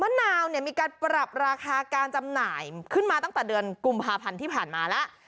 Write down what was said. นาวเนี่ยมีการปรับราคาการจำหน่ายขึ้นมาตั้งแต่เดือนกุมภาพันธ์ที่ผ่านมาแล้ว